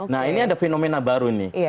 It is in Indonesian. nah ini ada fenomena baru nih